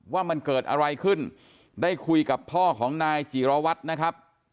ว่ามันเกิดอะไรขึ้นได้คุยกับพ่อของนายจิรวัตรนะครับ